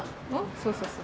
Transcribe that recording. そうそうそう。